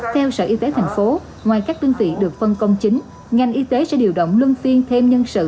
theo sở y tế thành phố ngoài các đơn vị được phân công chính ngành y tế sẽ điều động luân phiên thêm nhân sự